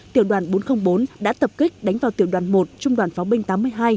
tư lệnh quân khu nam giao ngày năm tháng bốn đã tập kích đánh vào tiểu đoàn một trung đoàn pháo binh tám mươi hai